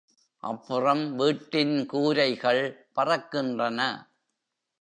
அப்புறம் வீட்டின் கூரைகள் பறக்கின்றன.